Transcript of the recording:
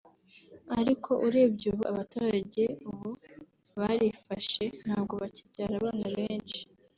Ariko urebye ubu abaturage ubu barifashe ntabwo bakibyara abana benshi